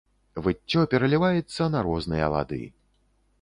Выццё пераліваецца на розныя лады.